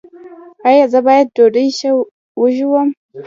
ایا زه باید ډوډۍ ښه وژووم؟